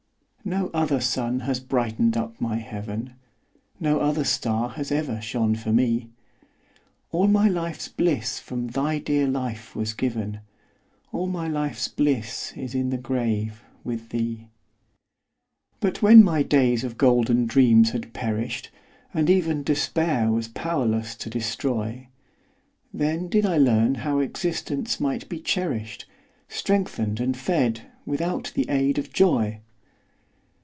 No other sun has brightened up my heaven, No other star has ever shone for me; All my life's bliss from thy dear life was given, All my life's bliss is in the grave with thee. But when my days of golden dreams had perished, And even Despair was powerless to destroy, Then did I learn how existence might be cherished, Strengthened and fed without the aid of joy.